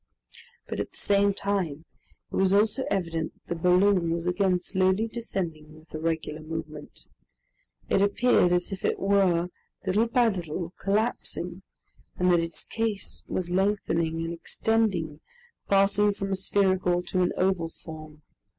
But at the same time, it was also evident that the balloon was again slowly descending with a regular movement. It appeared as if it were, little by little, collapsing, and that its case was lengthening and extending, passing from a spherical to an oval form.